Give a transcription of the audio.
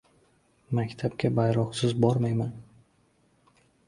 Maktabga bayroqsiz bormayman!